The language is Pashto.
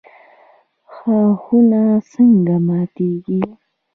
ښاخونه څنګه ماتیږي؟